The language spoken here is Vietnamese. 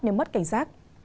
nếu mất cảnh giác